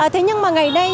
thế nhưng mà ngày nay